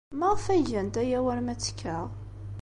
Maɣef ay gant aya war ma ttekkaɣ?